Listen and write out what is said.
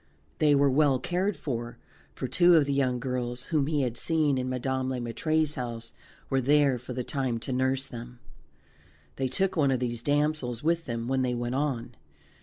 They were well cared for, for two of the young girls whom he had seen in Madame Le Maître's house were there for the time to nurse them. They took one of these damsels with them when they went on.